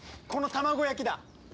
この卵焼きだ。